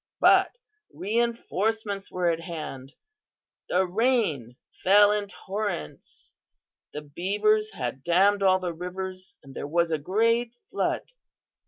"But reinforcements were at hand. The rain fell in torrents; the beavers had dammed all the rivers and there was a great flood.